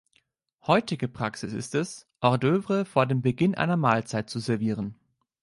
Heutige Praxis ist es, Horsd’œuvre vor dem Beginn einer Mahlzeit zu servieren.